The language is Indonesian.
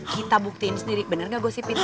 kita buktiin sendiri bener gak gosipin